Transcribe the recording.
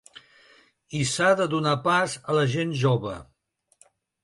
I s’ha de donar pas a la gent jove.